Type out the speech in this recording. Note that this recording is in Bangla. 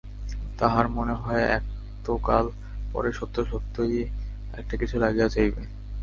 তাহার মনে হয়, এতকাল পরে সত্য-সত্যই একটা কিছু লাগিয়া যাইবে।